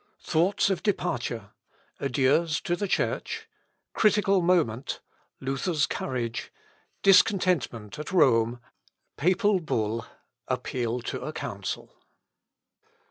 Thoughts of Departure Adieus to the Church Critical Moment Deliverance Luther's Courage Discontentment at Rome Bull Appeal to a Council.